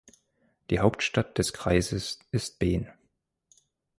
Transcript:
Die Hauptstadt des Kreises ist Ben.